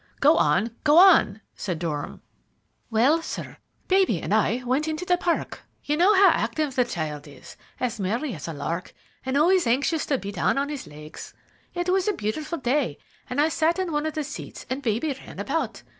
"Go on! go on!" said Durham. "Well, sir, baby and I went into the park. You know how active the child is, as merry as a lark, and always anxious to be down on his legs. It was a beautiful day, and I sat on one of the seats and baby ran about.